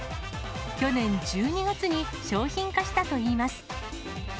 去年１２月に商品化したといいます。